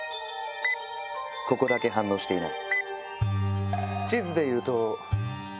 ここだけ反応していない。